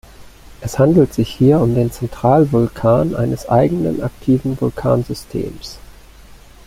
Es handelt sich hier um den Zentralvulkan eines eigenen aktiven Vulkansystems.